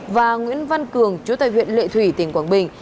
và nguyễn văn cường chú tại huyện lệ thủy tỉnh quảng bình